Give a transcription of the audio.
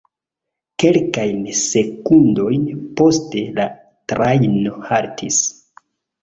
Kelkajn sekundojn poste la trajno haltis.